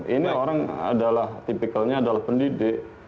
ini orang adalah tipikalnya adalah pendidik